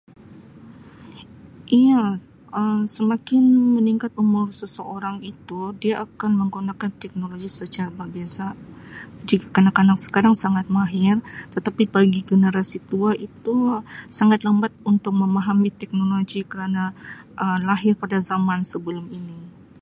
Iya, Um semakin meningkat umur seseorang itu dia akan menggunakan teknologi secara biasa, jika kanak-kanak sekarang sangat mahir tetapi bagi generasi tua itu sangat lambat untuk memahami teknologi kerana Um lahir pada zaman teknologi ini.